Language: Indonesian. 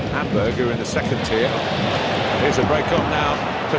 hamburger di kedua tier